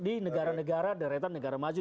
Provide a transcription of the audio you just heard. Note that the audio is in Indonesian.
di negara negara deretan negara maju